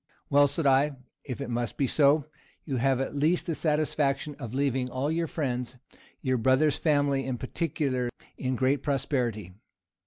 "Well," said I, "if it must be so, you have at least the satisfaction of leaving all your friends, your brother's family in particular, in great prosperity."